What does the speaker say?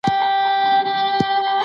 فقط علم او هنر دی چي همېش به جاویدان وي